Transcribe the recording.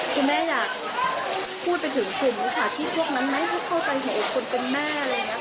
คุณแม่อยากพูดไปถึงส่วนที่พวกนั้นให้เข้าใจให้อีกคนกันมาเลยนะคะ